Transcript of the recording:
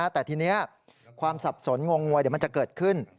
แต่ทีนี้ความสับสนงงงวยเดี๋ยวมันจะเกิดขึ้น